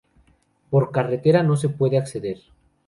Por carretera no se puede acceder.